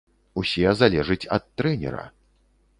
Усе залежыць ад трэнера.